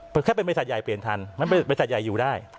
เพราะแค่เป็นบริษัทใหญ่เปลี่ยนทันมันเป็นบริษัทใหญ่อยู่ได้